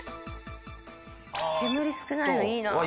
煙少ないのいいなあ。